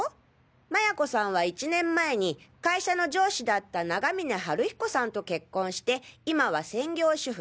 麻也子さんは１年前に会社の上司だった永峰春彦さんと結婚して今は専業主婦。